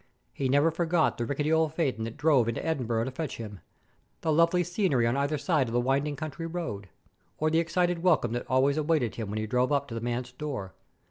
He never forgot the rickety old phaeton that drove into Edinburgh to fetch him; the lovely scenery on either side of the winding country road; or the excited welcome that always awaited him when he drove up to the manse door.